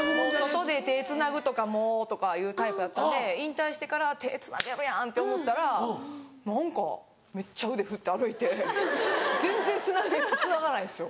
「外で手つなぐとかもう」とかいうタイプやったんで引退してから手つなげるやんって思ったら何かめっちゃ腕振って歩いて全然つながないんですよ。